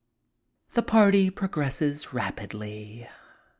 The party progresses rapidly.